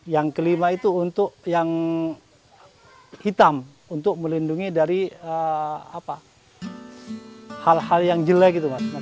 yang kelima itu untuk yang hitam untuk melindungi dari hal hal yang jelek gitu mas